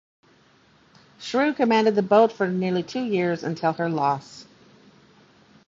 Schrewe commanded the boat for nearly two years, until her loss.